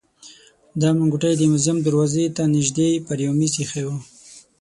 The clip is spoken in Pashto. دا منګوټی د موزیم دروازې ته نژدې پر مېز ایښی و.